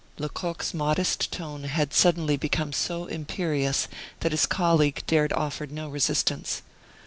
Lecoq's modest tone had suddenly become so imperious that his colleague dared offer no resistance.